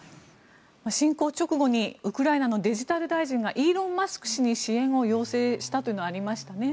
侵攻直後にウクライナのデジタル大臣がイーロン・マスク氏に支援を要請したというのがありましたね。